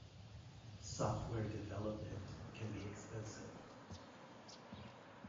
Software development can be expensive.